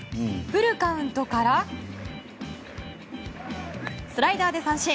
フルカウントからスライダーで三振。